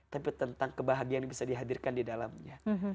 tapi tentang kebahagiaan yang bisa dihadirkan di dalamnya